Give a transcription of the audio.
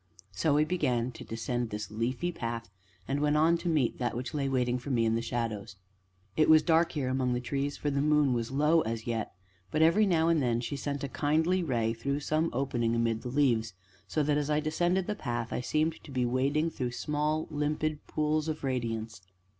So I began to descend this leafy path, and went on to meet that which lay waiting for me in the shadows. It was dark here among the trees, for the moon was low as yet, but, every now and then, she sent a kindly ray through some opening amid the leaves, so that as I descended the path I seemed to be wading through small, limpid pools of radiance.